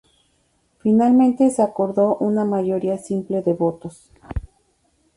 Finalmente se acordó una mayoría simple de votos.